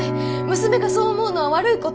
娘がそう思うのは悪いこと？